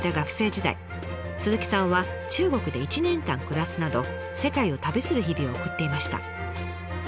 鈴木さんは中国で１年間暮らすなど世界を旅する日々を送っていました。